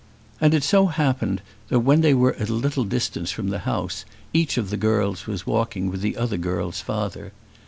And it so happened when they were at a little distance from the house, each of the girls was walking with the other girl's father.